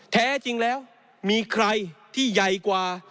แท้จริงแล้วมีใครที่ใหญ่กว่า